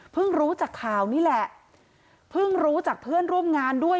รู้จากข่าวนี่แหละเพิ่งรู้จากเพื่อนร่วมงานด้วย